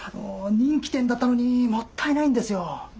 人気店だったのにもったいないんですよ。